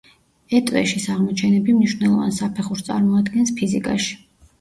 ეტვეშის აღმოჩენები მნიშვნელოვან საფეხურს წარმოადგენს ფიზიკაში.